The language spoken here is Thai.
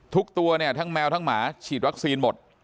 ตัวเนี่ยทั้งแมวทั้งหมาฉีดวัคซีนหมด